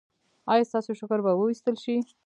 ایا ستاسو شکر به وویستل شي؟